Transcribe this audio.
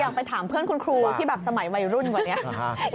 ไปถามเพื่อนคุณครูที่แบบสมัยวัยรุ่นกว่านี้